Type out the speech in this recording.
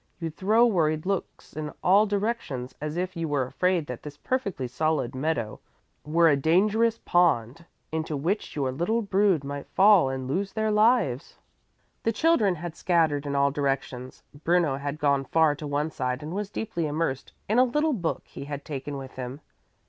You throw worried looks in all directions as if you were afraid that this perfectly solid meadow were a dangerous pond into which your little brood might fall and lose their lives." The children had scattered in all directions. Bruno had gone far to one side and was deeply immersed in a little book he had taken with him.